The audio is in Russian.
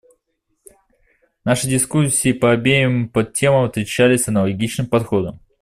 Наши дискуссии по обеим подтемам отличались аналогичным подходом.